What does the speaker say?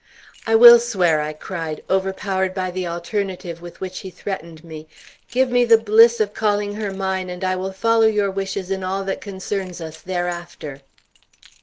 "I will swear," I cried, overpowered by the alternative with which he threatened me. "Give me the bliss of calling her mine, and I will follow your wishes in all that concerns us thereafter."